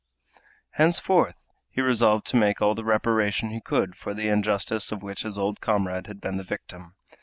Henceforth he resolved to make all the reparation he could for the injustice of which his old comrade had been the victim.